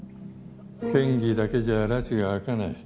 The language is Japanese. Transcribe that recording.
県議だけじゃらちが明かない。